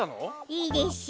いいでしょ